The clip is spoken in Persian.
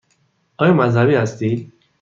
آیا مذهبی هستید؟